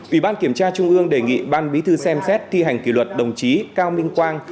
ủy ban kiểm tra trung ương đề nghị ban bí thư xem xét thi hành kỷ luật đồng chí cao minh quang